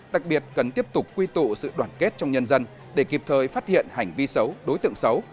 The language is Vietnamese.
đặc biệt cần tiếp tục quy tụ sự đoàn kết trong nhân dân để kịp thời phát hiện hành vi xấu đối tượng xấu